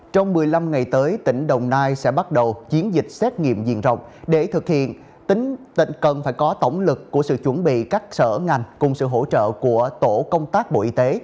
trong một mươi năm ngày tới tỉnh đồng nai sẽ bắt đầu chiến dịch xét nghiệm diện rộng để thực hiện cần phải có tổng lực của sự chuẩn bị các sở ngành cùng sự hỗ trợ của tổ công tác bộ y tế